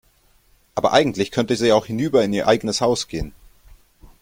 Aber eigentlich könnte sie auch hinüber in ihr eigenes Haus gehen.